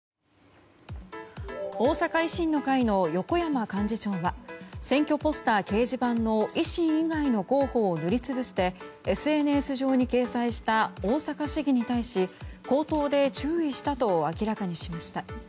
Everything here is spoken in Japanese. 大阪維新の会の横山幹事長は選挙ポスター掲示板の維新以外の候補を塗りつぶしてＳＮＳ上に掲載した大阪市議に対し口頭で注意したと明らかにしました。